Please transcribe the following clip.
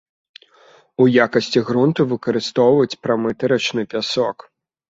У якасці грунту выкарыстоўваюць прамыты рачны пясок.